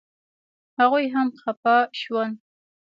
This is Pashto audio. هغوی هم خپه شول.